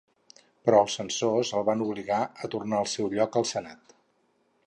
Però els censors el van obligar a tornar al seu lloc al senat.